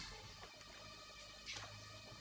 mau jadi kayak gini sih salah buat apa